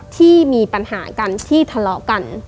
ที่มีปัญหากันที่ทะเลาะกัน